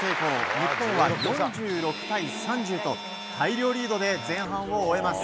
日本は４６対３０と大量リードで前半を終えます。